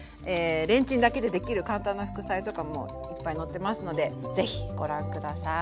レンチンだけでできる簡単な副菜とかもいっぱい載ってますのでぜひご覧下さい。